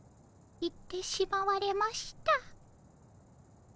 行ってしまわれました。